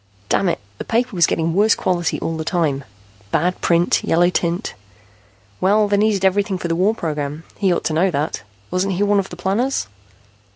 Damn it, the paper was getting worse quality all the time, bad print, yellow tint Well, they needed everything for the war program. He ought to know that. Wasn't he one of the planners?